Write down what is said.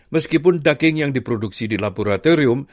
meskipun daging yang diproduksi di laboratorium